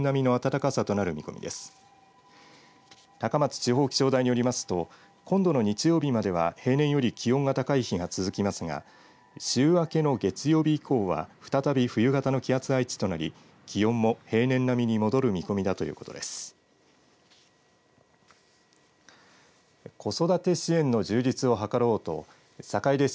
地方気象台によりますと今度の日曜日までは平年より気温が高い日が続きますが週明けの月曜日以降は再び冬型の気圧配置となり気温も平年並みに戻る見込みだということです。